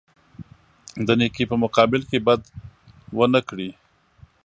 د نیکۍ په مقابل کې بد ونه کړي.